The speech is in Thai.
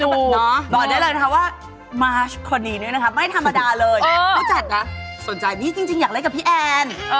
เราได้แบบนี่ว่ามาซ์คนนี้ไม่ธรรมดาเลยแล้วแจ๊ดนะสนใจกับมีดดนี่จริงอยากเล่นกับพี่แอน